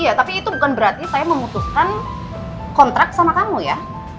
iya tapi itu bukan berarti saya memutuskan kontrak sama kamu ya